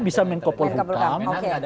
bisa menkopul hukam